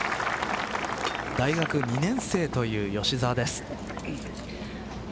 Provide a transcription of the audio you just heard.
大学２年生という吉澤です。